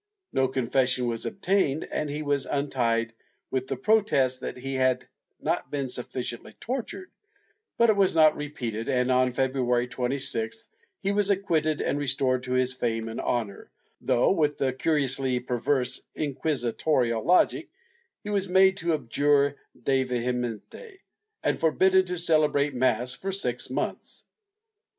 No con fession was obtained and he was untied, with the protest that he had not been sufficiently tortured, but it was not repeated and, on February 26th, he was acquitted and restored to his fame and honor, though, with the curiously perverse inquisi torial logic, he was made to abjure de vehementi and forbidden to celebrate mass for six months.